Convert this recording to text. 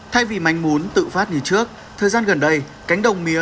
thay vì manh muốn tự phát như trước thời gian gần đây cánh đồng mía